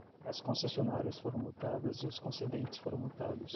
As concessionárias foram multadas e os concedentes foram multados